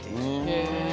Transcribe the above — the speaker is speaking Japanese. へえ。